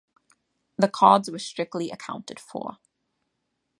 The cards were strictly accounted for.